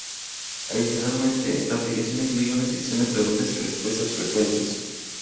Adicionalmente, la aplicación incluye una sección de preguntas y respuestas frecuentes.